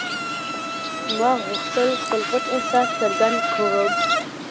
ما غوښتل خپل پټ احساس څرګند کړم